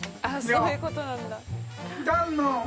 そういう事なんだ。